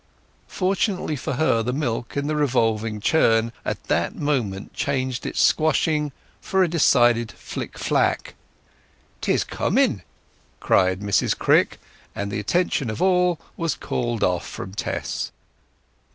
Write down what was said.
Fortunately for her the milk in the revolving churn at that moment changed its squashing for a decided flick flack. "'Tis coming!" cried Mrs Crick, and the attention of all was called off from Tess.